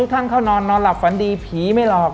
ท่านเข้านอนนอนหลับฝันดีผีไม่หลอก